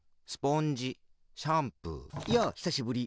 やあひさしぶり。